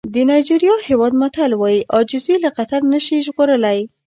د نایجېریا هېواد متل وایي عاجزي له خطر نه شي ژغورلی.